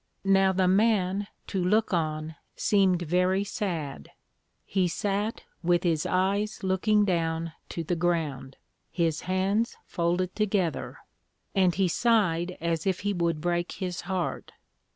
Now the Man, to look on, seemed very sad; he sat with his eyes looking down to the ground, his hands folded together; and he sighed as if he would break his heart.